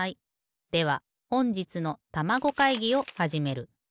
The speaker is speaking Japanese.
ではほんじつのたまご会議をはじめる。